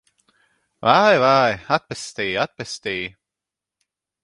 Vai, vai! Atpestī! Atpestī!